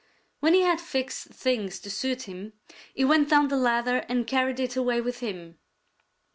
When he had fixed things to suit him, he went down the ladder and carried it away with him.